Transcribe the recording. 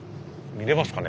見れますかね？